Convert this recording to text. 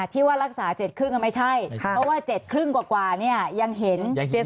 ที่ว่ารักษา๗๕ก็ไม่ใช่เพราะว่า๗โมงครึ่งกว่านี้ยังเห็น